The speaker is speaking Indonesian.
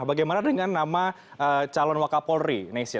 bagaimana dengan nama calon wakapolri nesya